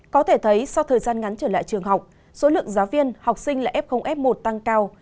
có thể thấy sau thời gian ngắn trở lại trường học số lượng giáo viên học sinh là f f một tăng cao